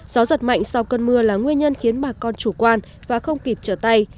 gió giật mạnh sau cơn mưa là nguyên nhân khiến bà con chủ quan và không kịp trở tay